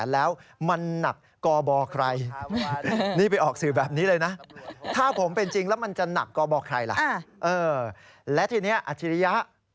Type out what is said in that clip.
และทีนี้อัจฉริยะ